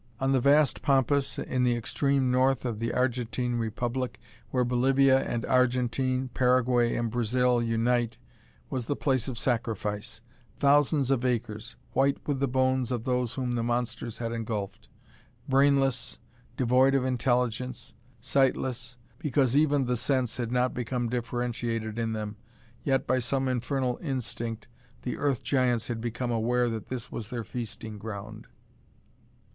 On the vast pampas in the extreme north of the Argentine Republic, where Bolivia, the Argentine, Paraguay and Brazil unite, was the place of sacrifice. Thousands of acres, white with the bones of those whom the monsters had engulfed. Brainless, devoid of intelligence, sightless, because even the sense had not become differentiated in them, yet by some infernal instinct the Earth Giants had become aware that this was their feasting ground.